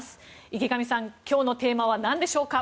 池上さん、今日のテーマは何でしょうか？